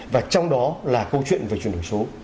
và trong đó là câu chuyện về chuyển đổi số